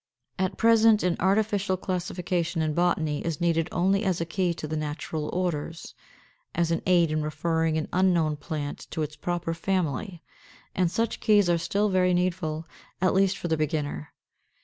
At present an artificial classification in botany is needed only as a key to the natural orders, as an aid in referring an unknown plant to its proper family; and such keys are still very needful, at least for the beginner.